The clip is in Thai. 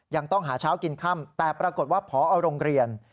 ยังต้องหาเช้ากินค่ำแต่ปรากฏว่าพอโรงเรียน